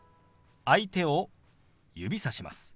相手を指さします。